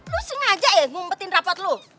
lo sengaja ya ngumpetin rapot lo